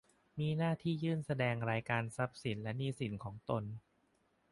มีหน้าที่ยื่นแสดงรายการทรัพย์สินและหนี้สินของตน